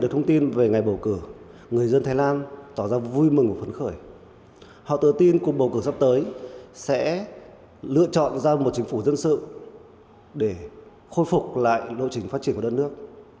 họ tự tin cuộc bầu cử sắp tới sẽ lựa chọn ra một chính phủ dân sự để khôi phục lại lộ trình phát triển của đất nước